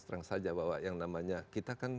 terang saja bahwa yang namanya kita kan